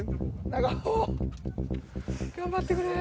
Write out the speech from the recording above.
長尾頑張ってくれ。